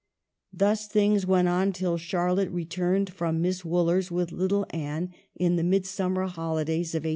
Thus things went on till Charlotte returned from Miss Wooler's with little Anne in the midsummer holidays of 1836.